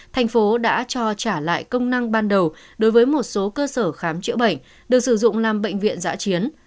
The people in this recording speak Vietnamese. thành phố đã cho trả lại công năng ban đầu đối với một số cơ sở khám chữa bệnh được sử dụng làm bệnh viện giã chiến